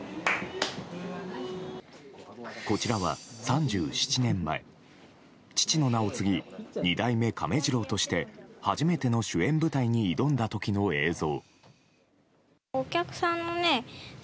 こちらは３７年前、父の名を継ぎ二代目亀治郎として初めての主演舞台に挑んだ時の映像。